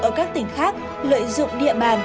ở các tỉnh khác lợi dụng địa bàn